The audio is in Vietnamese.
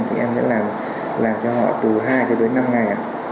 thì em sẽ làm cho họ từ hai tới năm ngày